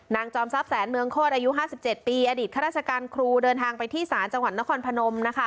จอมทรัพย์แสนเมืองโคตรอายุ๕๗ปีอดีตข้าราชการครูเดินทางไปที่ศาลจังหวัดนครพนมนะคะ